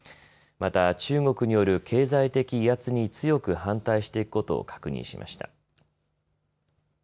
また中国による経済的威圧に強く反対していくことを確認しました。